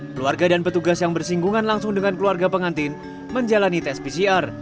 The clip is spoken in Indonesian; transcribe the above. keluarga dan petugas yang bersinggungan langsung dengan keluarga pengantin menjalani tes pcr